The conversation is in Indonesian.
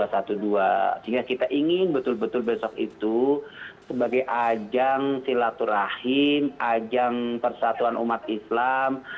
sehingga kita ingin betul betul besok itu sebagai ajang silaturahim ajang persatuan umat islam